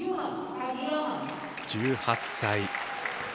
１８歳。